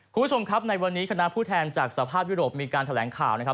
คุณผู้ชมครับในวันนี้คณะผู้แทนจากสภาพยุโรปมีการแถลงข่าวนะครับ